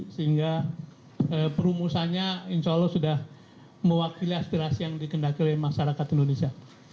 sehingga perumusannya insya allah sudah mewakili aspirasi yang dikendaki oleh masyarakat indonesia